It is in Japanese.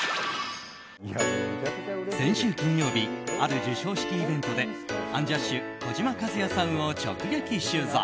先週金曜日ある授賞式イベントでアンジャッシュ児嶋一哉さんを直撃取材。